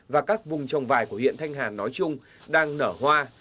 và các vùng trồng vải của huyện thanh hà nói chung đang nở hoa